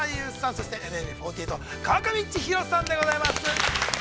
そしてＮＭＢ４８の川上千尋さんでございます。